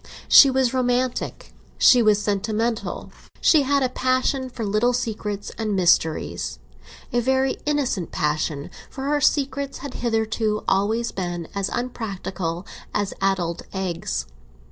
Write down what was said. She was romantic, she was sentimental, she had a passion for little secrets and mysteries—a very innocent passion, for her secrets had hitherto always been as unpractical as addled eggs.